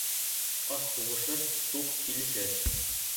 Ас һуғышыр, туҡ килешер.